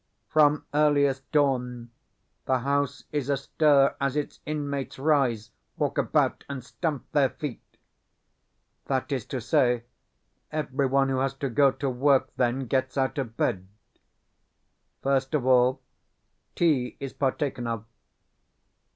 From earliest dawn the house is astir as its inmates rise, walk about, and stamp their feet. That is to say, everyone who has to go to work then gets out of bed. First of all, tea is partaken of.